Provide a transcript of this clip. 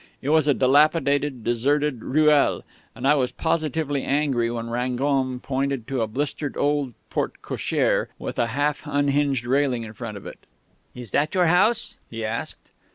It was a dilapidated, deserted ruelle, and I was positively angry when Rangon pointed to a blistered old porte cochère with a half unhinged railing in front of it. "'Is it that, your house?' he asked.